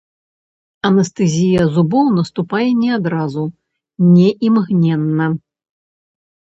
Анестэзія зубоў наступае не адразу, не імгненна.